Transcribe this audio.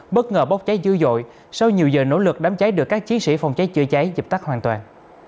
bất ngờ bốc cháy dữ dội sau nhiều giờ nỗ lực đám cháy được các chiến sĩ phòng cháy chữa cháy dập tắt hoàn toàn